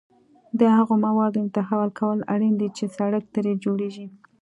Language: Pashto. د هغو موادو امتحان کول اړین دي چې سړک ترې جوړیږي